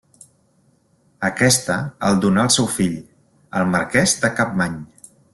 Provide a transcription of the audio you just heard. Aquesta el donà al seu fill, el marquès de Capmany.